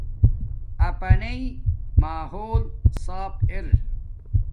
اپانݷ ماحول صاف تھآ